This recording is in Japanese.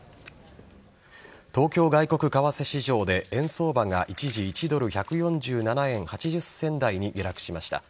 東京外国為替市場で円相場が一時１ドル１４７円８０銭台に下落しました。